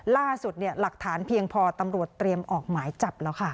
หลักฐานเพียงพอตำรวจเตรียมออกหมายจับแล้วค่ะ